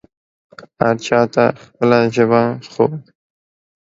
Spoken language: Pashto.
هر چا ته خپله ژبه خو